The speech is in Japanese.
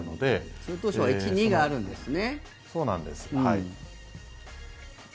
中等症は１、２があるんですね。